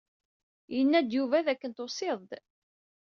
Yenna-d Yuba dakken tusid-d.